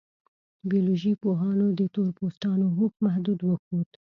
بیولوژي پوهانو د تور پوستانو هوښ محدود وښود.